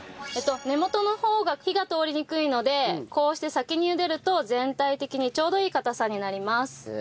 根元の方が火が通りにくいのでこうして先に茹でると全体的にちょうどいい硬さになります。